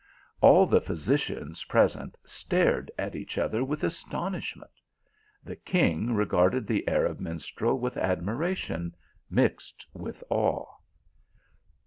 All the physicians present stared at each other with astonishment. Tne king regarded the Arab minstrel with admiration, mixt with awe.